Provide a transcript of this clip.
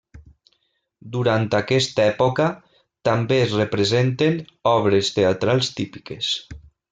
Durant aquesta època també es representen obres teatrals típiques.